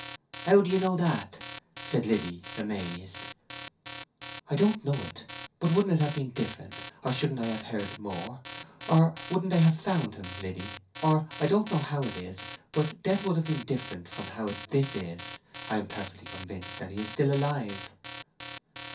"How do you know that?" said Liddy, amazed. "I don't know it. But wouldn't it have been different, or shouldn't I have heard more, or wouldn't they have found him, Liddy?—or—I don't know how it is, but death would have been different from how this is. I am perfectly convinced that he is still alive!"